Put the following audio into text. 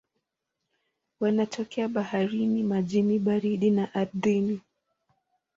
Wanatokea baharini, majini baridi na ardhini.